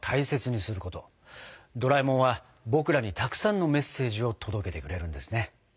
ドラえもんは僕らにたくさんのメッセージを届けてくれるんですね。